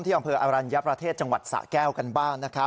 ที่อังคืออรัญญาประเทศจังหวัดสะแก้วกันบ้าน